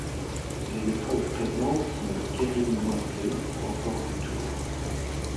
Les épreuves présentes sont le keirin, lancé ou record du tour.